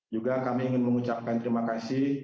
juga kami ingin mengucapkan terima kasih